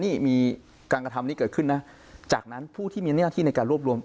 นี่มีการกระทำนี้เกิดขึ้นนะจากนั้นผู้ที่มีหน้าที่ในการรวบรวม